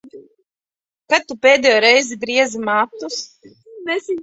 Kad Tu pēdējo reizi griezi matus?